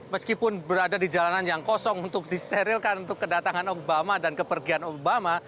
meskipun berada di jalanan yang kosong untuk disterilkan untuk kedatangan obama dan kepergian obama